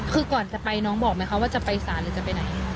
คือก่อนจะไปน้องบอกไหมคะว่าจะไปสารหรือจะไปไหน